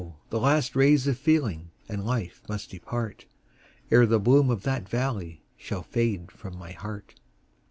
the last rays of feeling and life must depart, Ere the bloom of that valley shall fade from my heart.